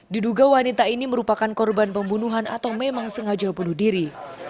diduga wanita ini merupakan korban pembunuhan atau memang sengaja bunuh diri